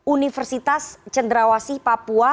universitas cenderawasi papua